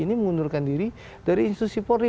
ini mengundurkan diri dari institusi polri